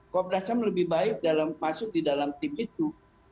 komnasang lebih baik masuk di dalam tim itu